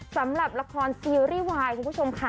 สำหรับละครซีรีส์วายคุณผู้ชมค่ะ